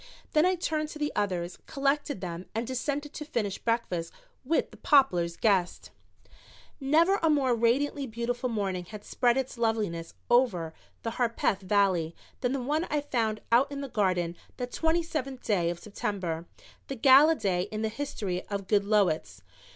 Then I turned to the others, collected them and descended to finish breakfast with the Poplars' guests. Never a more radiantly beautiful morning had spread its loveliness over the Harpeth Valley than the one I found out in the garden that twenty seventh day of September, the gala day in the history of Goodloets.